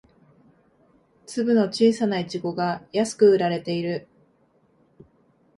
粒の小さなイチゴが安く売られている